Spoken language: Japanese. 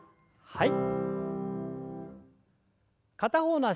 はい。